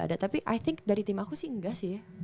ada tapi i think dari tim aku sih enggak sih ya